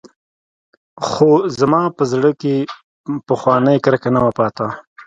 خو زما په زړه کښې پخوانۍ کرکه نه وه پاته.